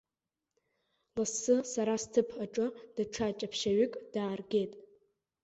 Лассы сара сҭыԥ аҿы даҽа ҷаԥшьаҩык дааргеит.